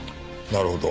なるほど。